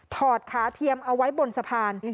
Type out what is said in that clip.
ขาเทียมเอาไว้บนสะพาน